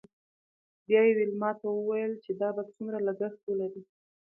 بیا یې ویلما ته وویل چې دا به څومره لګښت ولري